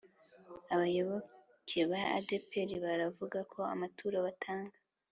abayoboke ba adpr baravugako amaturo batanga